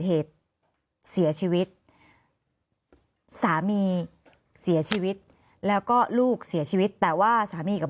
เหตุเสียชีวิตสามีเสียชีวิตแล้วก็ลูกเสียชีวิตแต่ว่าสามีกับ